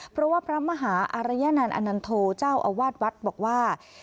เพราะว่าพระมหาอารยนันนอนันโทเจ้าอาวาสวัดบอกว่า